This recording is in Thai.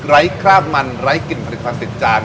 ไร้คราบมันไร้กลิ่นผลิตความติดจาน